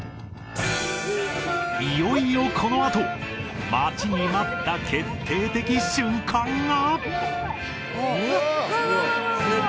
いよいよこのあと待ちに待った決定的瞬間が！